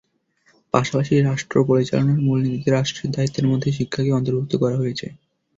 পাশাপাশি রাষ্ট্র পরিচালনার মূলনীতিতে রাষ্ট্রের দায়িত্বের মধ্যে শিক্ষাকে অন্তর্ভুক্ত করা হয়েছে।